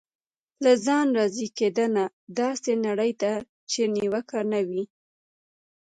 له ځانه راضي کېدنه: داسې نړۍ ده چېرې نیوکه نه وي.